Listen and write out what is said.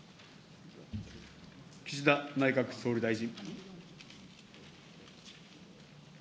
岸田内閣総理大臣。